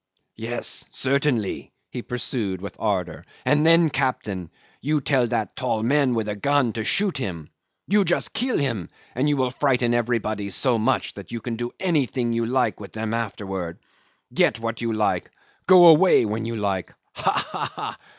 "Yes, certainly," he pursued with ardour, "and then, captain, you tell that tall man with a gun to shoot him. Just you kill him, and you will frighten everybody so much that you can do anything you like with them afterwards get what you like go away when you like. Ha! ha! ha!